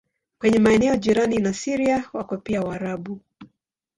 Kwenye maeneo jirani na Syria wako pia Waarabu.